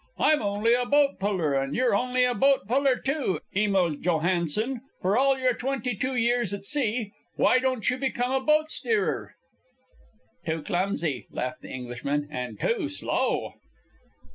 I'm only a boat puller, and you're only a boat puller, too, Emil Johansen, for all your twenty two years at sea. Why don't you become a boat steerer?" "Too clumsy," laughed the Englishman, "and too slow."